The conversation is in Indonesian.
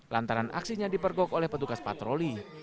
lantaran aksinya dipergok oleh petugas patroli